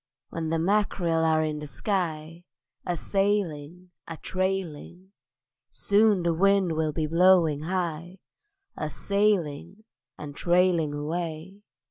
When the mack'rel are in the sky, A sailing, a trailing; Soon the wind will be blowing high: A sailing and trailing away.